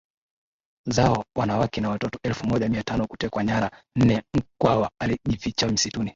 zao wanawake na watoto elfu moja mia tano kutekwa nyara nneMkwawa alijificha msituni